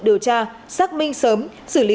điều tra xác minh sớm xử lý